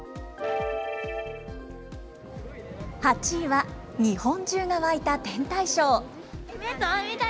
８位は、日本中が沸いた天体ショー。